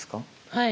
はい。